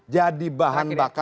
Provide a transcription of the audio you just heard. jadi bahan bakar